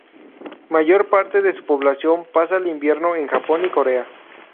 Mayor parte de su población pasa el invierno en Japón y Corea.